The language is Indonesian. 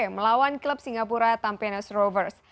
melawan klub singapura tampines rovers